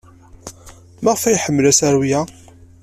Maɣef ay iḥemmel asaru-a?